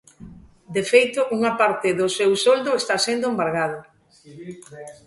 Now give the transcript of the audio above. De feito, unha parte do seu soldo está sendo embargado.